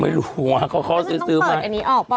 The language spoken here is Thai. ไม่รู้วะเค้าก็ต้องเปิดอันนี้ออกเปล่า